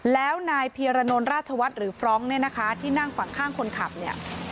แล้วนายเพียรนลราชวัฒน์หรือฟรองก์เนี่ยนะคะที่นั่งฝั่งข้างคนขับเนี่ย